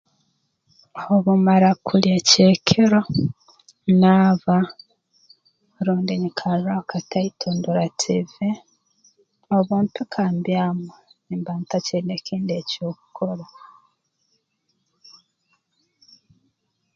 Obu mmara kulya eky'ekiro naaba rundi nyikarraaho kataito ndora tiivi obu mpika mbyama nimba ntakyaine kindi ekyokukora